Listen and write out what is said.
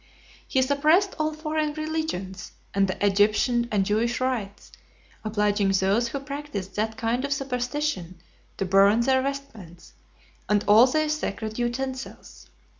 XXXVI. He suppressed all foreign religions, and the Egyptian and Jewish rites, obliging those who practised that kind of superstition, to burn their vestments, and all their sacred utensils.